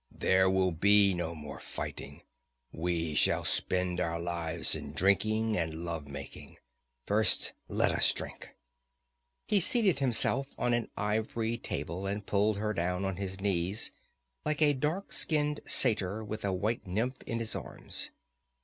There will be no more fighting. We shall spend our lives in drinking and love making. First let us drink!" He seated himself on an ivory table and pulled her down on his knees, like a dark skinned satyr with a white nymph in his arms.